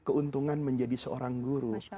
keuntungan menjadi seorang guru